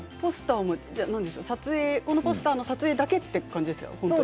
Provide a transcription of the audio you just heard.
このポスターの撮影だけっていう感じですか。